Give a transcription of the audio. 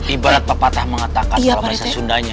ibarat pepatah mengatakan kalau bahasa sundanya